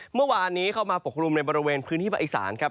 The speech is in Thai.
เมื่อวานนี้เข้ามาปกคลุมในบริเวณพื้นที่ภาคอีสานครับ